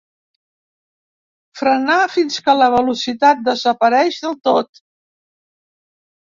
Frenar fins que la velocitat desapareix del tot.